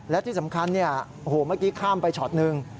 และที่สำคัญเนี่ยโอ้โหเมื่อกี้ข้ามไปช็อตหนึ่ง